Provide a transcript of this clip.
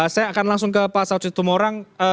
saya akan langsung ke pak saud situ morang